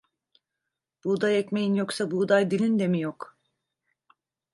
Buğday ekmeğin yoksa buğday dilin de mi yok?